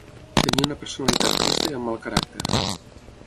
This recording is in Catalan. Tenia una personalitat trista i amb mal caràcter.